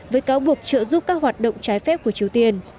với cáo buộc trợ giúp các hoạt động trái phép của triều tiên